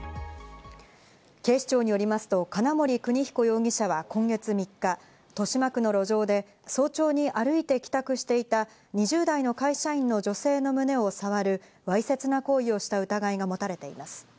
警視庁によりますと、金森邦彦容疑者は今月３日、豊島区の路上で早朝に歩いて帰宅していた２０代の会社員の女性の胸を触るわいせつな行為をした疑いが持たれています。